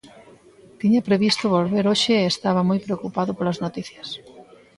Tiña previsto volver hoxe e estaba moi preocupado polas noticias.